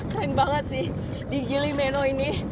keren banget sih di gili meno ini